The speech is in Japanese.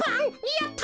やった！